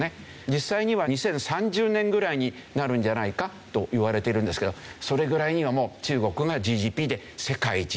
実際には２０３０年ぐらいになるんじゃないかといわれているんですけどそれぐらいにはもう中国がＧＤＰで世界一。